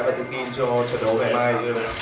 và tự tin cho trận đấu ngày mai